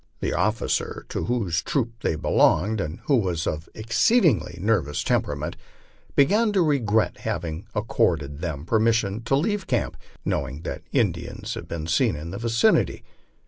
The officer to whose troop they belonged, and who was of an exceedingly nervous temperament, began to regret having accorded them permission to leave camp, knowing that Indians had been seen in the vicinity.